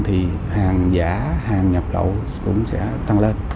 thì hàng giả hàng nhập lậu cũng sẽ tăng lên